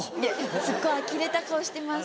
すっごいあきれた顔してます。